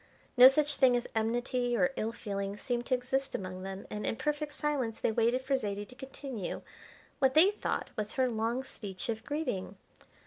No such thing as enmity or ill feeling seemed to exist among them, and, in perfect silence, they waited for Zaidie to continue what they thought was her long speech of greeting.